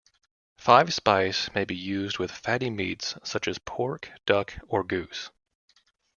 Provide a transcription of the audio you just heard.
Five spice may be used with fatty meats such as pork, duck or goose.